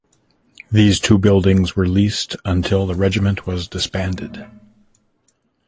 These two buildings were leased until the regiment was disbanded.